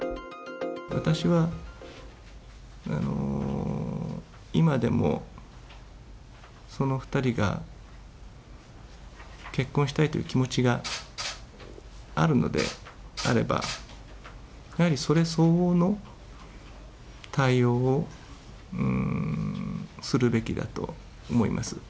私は、今でも、その２人が、結婚したいという気持ちがあるのであれば、やはりそれ相応の対応をするべきだと思います。